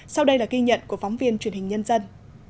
sau đây là ghi nhận của phóng viên truyền hình nhân dân